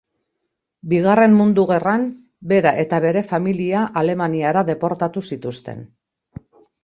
Bigarren Mundu Gerran, bera eta bere familia Alemaniara deportatu zituzten.